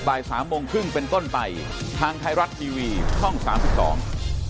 บ่ายสามโมงครึ่งเป็นต้นไปทางไทยรัฐทีวีช่องสามสิบสอง